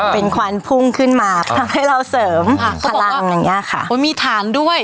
เป็นควันพุ่งขึ้นมาทำให้เราเสริมพลังอย่างเงี้ยค่ะโอ้มีฐานด้วย